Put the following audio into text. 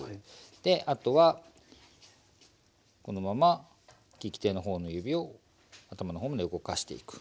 であとはこのまま利き手の方の指を頭の方まで動かしていく。